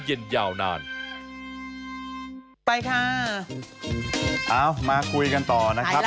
เอ้ามาคุยกันต่อนะครับ